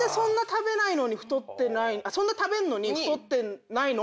何でそんな食べるのに太ってないの？